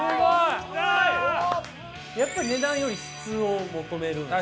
やっぱり値段より質を求めるんですね